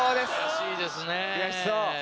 悔しそう！